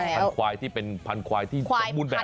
พันควายที่เป็นพันธวายที่สมบูรณ์แบบ